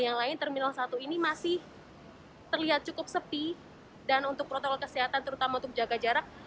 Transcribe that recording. ini masih terlihat cukup sepi dan untuk protokol kesehatan terutama untuk jaga jarak